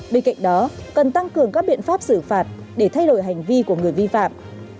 bên cạnh đó cần tăng cường các biện pháp xử phạt để thay đổi hành vi của người vi phạm